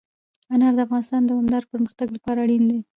انار د افغانستان د دوامداره پرمختګ لپاره اړین دي.